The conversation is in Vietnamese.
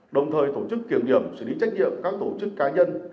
đồng thời tổ chức kiểm điểm xử lý trách nhiệm các tổ chức cá nhân